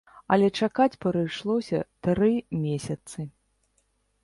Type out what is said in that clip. Але чакаць прыйшлося тры месяцы.